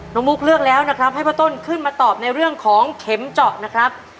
มุกเลือกแล้วนะครับให้พ่อต้นขึ้นมาตอบในเรื่องของเข็มเจาะนะครับ